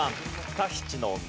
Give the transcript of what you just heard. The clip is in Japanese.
『タヒチの女』。